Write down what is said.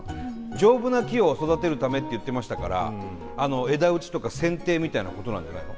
丈夫な木を育てるためって言ってましたから枝打ちとかせんていみたいなことなんじゃないの？